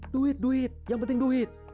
duit duit yang penting duit